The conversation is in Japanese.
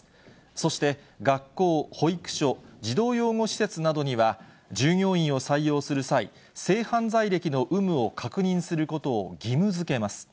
そして、学校、保育所、児童養護施設などには、従業員を採用する際、性犯罪歴の有無を確認することを義務づけます。